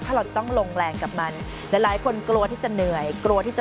ถ้าเราจะต้องลงแรงกับมันหลายหลายคนกลัวที่จะเหนื่อยกลัวที่จะ